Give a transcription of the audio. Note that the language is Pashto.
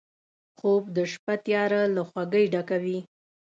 خوب د شپه تیاره له خوږۍ ډکوي